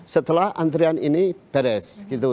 setelah antrian ini beres